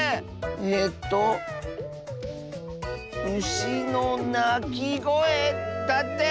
えと「うしのなきごえ」だって！